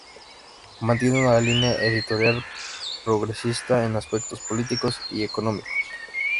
Mantiene una línea editorial progresista en aspectos políticos y económicos.